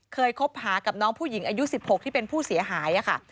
คบหากับน้องผู้หญิงอายุ๑๖ที่เป็นผู้เสียหายค่ะ